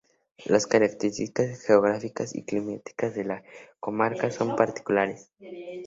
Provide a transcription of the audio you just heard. Las características geográficas y climáticas de la comarca son particulares.